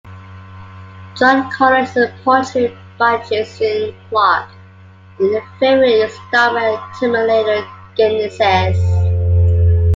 John Connor is portrayed by Jason Clarke in the fifth installment, Terminator Genisys.